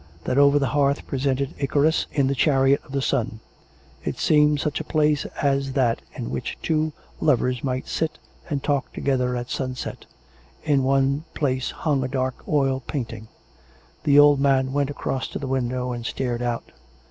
That over the hearth pre sented Icarus in the chariot of the sun. It seemed such a place as that in which two lovers might sit and talk to gether at sunset. ... In one place hung a dark oil paint ing. The old man went across to the window and stared out.